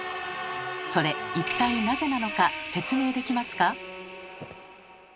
それ一体なぜなのか説明できますか？